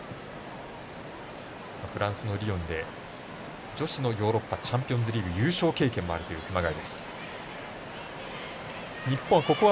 フランスのリヨンで女子のチャンピオンズリーグ優勝経験もある熊谷。